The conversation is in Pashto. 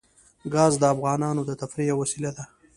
ګاز د افغانانو د تفریح یوه وسیله ده.